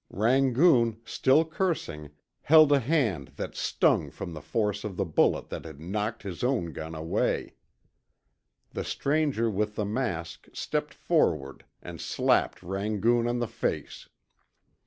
Rangoon, still cursing, held a hand that stung from the force of the bullet that had knocked his own gun away. The stranger with the mask stepped forward and slapped Rangoon on the face.